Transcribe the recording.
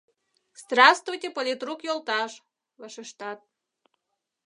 — Здравствуйте, политрук йолташ! — вашештат.